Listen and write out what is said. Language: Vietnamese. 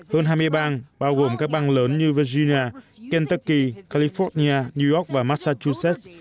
hơn hai mươi bang bao gồm các bang lớn như virginia kentuki california new york và massachusetts